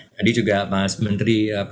tadi juga mas menteri